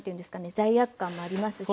罪悪感もありますし。